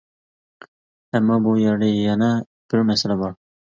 ئەمما بۇ يەردە يەنە بىر مەسىلە بار.